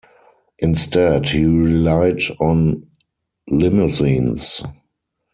Instead, he relied on limousines.